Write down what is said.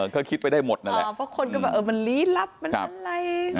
ก็คิดไปได้หมดนั่นแหละเพราะคนก็แบบเออมันลี้ลับมันอะไร